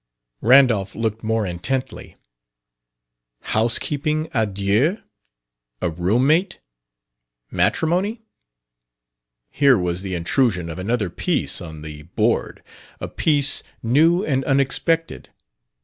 Randolph looked more intently. Housekeeping à deux? A roommate? Matrimony? Here was the intrusion of another piece on the board a piece new and unexpected.